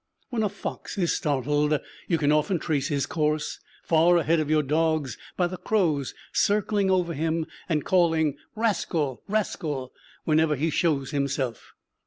When a fox is started you can often trace his course, far ahead of your dogs, by the crows circling over him and calling rascal, rascal, whenever he shows himself.